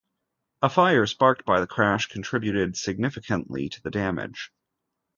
A fire sparked by the crash contributed significantly to the damage.